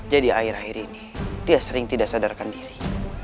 jadi akhir akhir ini dia sering tidak sadarkan diri